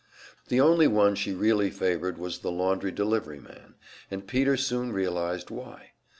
The only one she really favored was the laundry deliveryman, and Peter soon realized why.